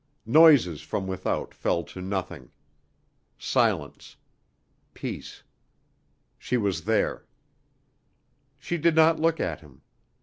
Noises from without fell to nothing. Silence. Peace. She was there. She did not look at him.